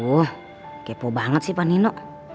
wah kepo banget sih pak nino